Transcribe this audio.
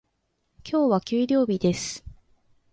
今日は給料日です。